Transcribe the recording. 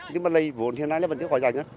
nhưng mà lấy vốn hiện nay là vẫn chưa khỏi giành